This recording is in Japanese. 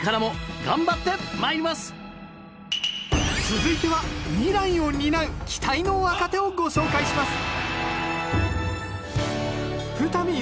続いては未来を担う期待の若手をご紹介します